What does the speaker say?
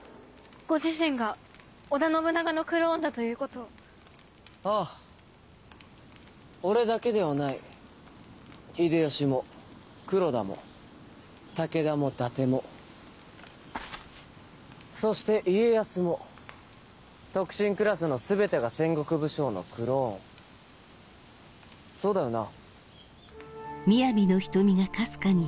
⁉ご自身が織田信長のクローンだというああ俺だけではない秀吉も黒田も武田も伊達もそして家康も特進クラスの全てが戦国武将のクローンそうだよな？